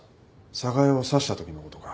寒河江を刺したときのことか？